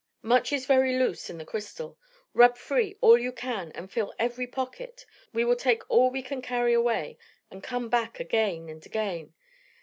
Much is very loose in the crystal. Rub free all that you can, and fill every pocket. We will take all we can carry away, and come again and again.